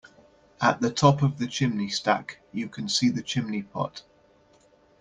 At the top of the chimney stack, you can see the chimney pot